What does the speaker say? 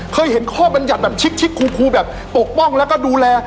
เคยเห็นข้อบรรยัติแบบชิกครูแบบปกป้องแล้วก็ดูแล